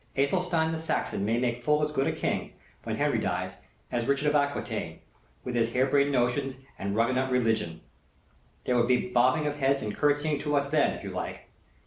Athelstane the Saxon might make full as good a King, when Henry dies, as Richard of Acquitaine, with his harebrained notions and runagate religion. There would be bobbing of heads and curtseying to us then, if you like.